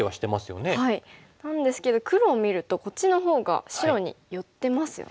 なんですけど黒を見るとこっちのほうが白に寄ってますよね。